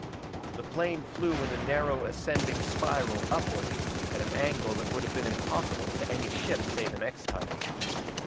The plane flew in a narrow ascending spiral upward, at an angle that would have been impossible to any ship save an X type.